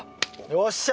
よっしゃ！